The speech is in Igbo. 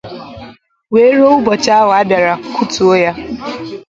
wee ruo ụbọchị ahụ a bịara kụtuo ya